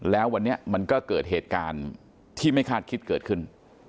แล้ววันนี้มันก็เกิดเหตุการณ์ที่ไม่คาดคิดเกิดขึ้น